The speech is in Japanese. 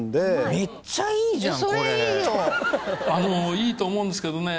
いいと思うんですけどね